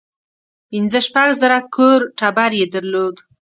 پنځه شپږ زره کور ټبر یې درلود.